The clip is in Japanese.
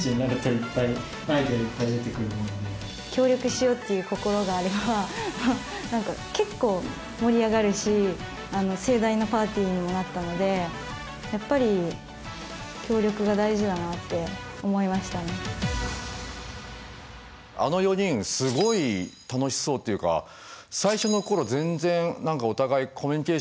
協力しようっていう心があれば何か結構盛り上がるし盛大なパーティーにもなったのでやっぱりあの４人すごい楽しそうっていうか最初の頃全然お互いコミュニケーション